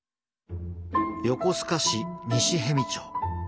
横須賀市西逸見町。